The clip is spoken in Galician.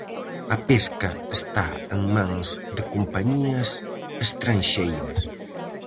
A pesca está en mans de compañías estranxeiras.